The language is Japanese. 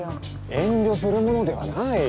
遠慮するものではない。